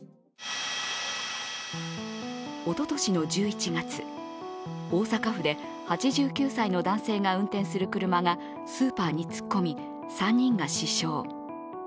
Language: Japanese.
おととしの１１月大阪府で８９歳の男性が運転する車がスーパーに突っ込み、３人が死傷。